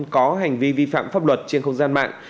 có hành vi vi phạm pháp luật trên không gian mạng